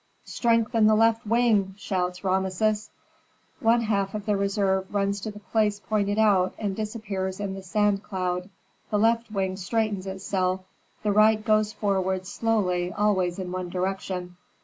"Strengthen the left wing!" shouts Rameses. One half of the reserve runs to the place pointed out, and disappears in the sand cloud; the left wing straightens itself, the right goes forward slowly always in one direction.